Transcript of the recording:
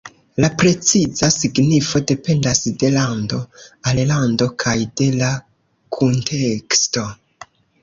La preciza signifo dependas de lando al lando kaj de la kunteksto.